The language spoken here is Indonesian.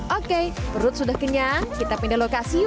oke perut sudah kenyang kita pindah lokasi